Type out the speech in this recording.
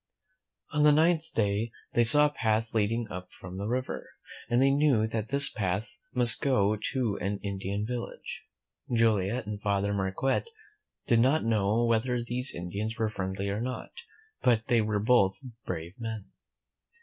On the ninth day they saw a path leading up from the river, and they knew that this path must go to an Indian village. Joliet and Father Mar quette did not know whether these Indians were friendly or not ; but they were both brave men.